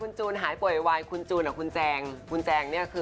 ไม่เอาแต่ว่าเป็นจูนก็เหนื่อยนะลูกเขียวว่าเธอ